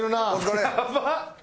やばっ！